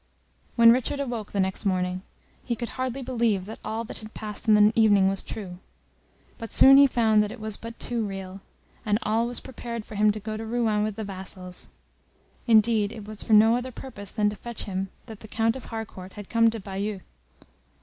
When Richard awoke the next morning, he could hardly believe that all that had passed in the evening was true, but soon he found that it was but too real, and all was prepared for him to go to Rouen with the vassals; indeed, it was for no other purpose than to fetch him that the Count of Harcourt had come to Bayeux.